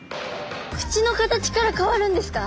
口の形から変わるんですか？